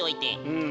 うん。